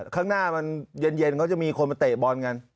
ข้างหน้ามันเย็นเขาจะมีคนมาเตะบอลกัน